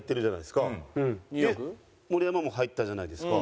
で盛山も入ったじゃないですか。